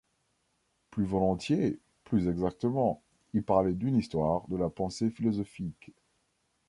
Plus volontiers, plus exactement, il parlait d’une histoire de la pensée philosophique.